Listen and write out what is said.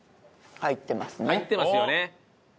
入ってますよね。